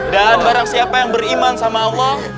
dan barang siapa yang beriman sama allah